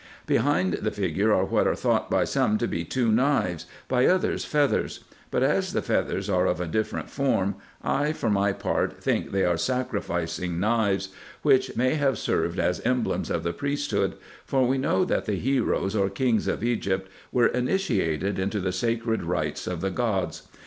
Behind the figure are what are thought by some to be two knives, by others feathers ; but as the feathers are of a different form, I for my part think they are sacrificing knives, which may have served as emblems of the priesthood, for we know, that the heroes or kings of Egypt were initiated into the sacred rites of the gods.